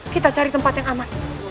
kita cari tempat yang aman